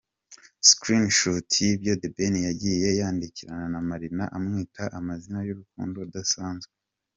Screenshot y’ibyo The Ben yagiye yandikirana na Marina amwita amazina y’urukundo adasanzwe.